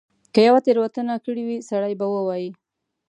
که یوه تیره وتنه کړې وي سړی به ووایي.